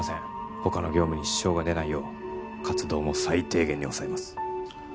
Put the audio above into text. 他の業務に支障が出ないよう活動も最低限に抑えます